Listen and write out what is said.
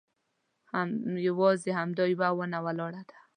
یوازې همدا یوه ونه ولاړه ده.